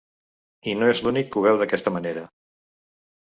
I no és l’únic que ho veu d’aquesta manera.